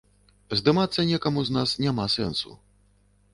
Здымацца некаму з нас няма сэнсу.